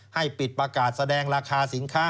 ให้ปิดประกาศแสดงราคาสินค้า